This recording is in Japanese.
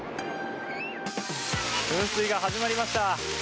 噴水が始まりました。